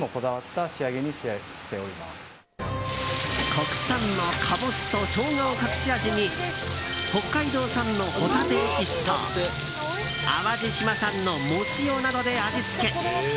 国産のカボスとショウガを隠し味に北海道産のホタテエキスと淡路島産の藻塩などで味付け。